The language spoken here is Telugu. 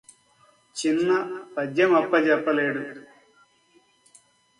చిన్న పద్యమప్ప జెప్పలేడు